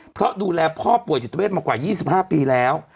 เพราะดูแลพ่อป่วยจิตเวทมากว่า๒๕ปีแล้ว